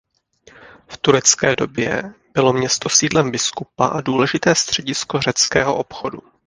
V turecké době bylo město sídlem biskupa a důležité středisko řeckého obchodu.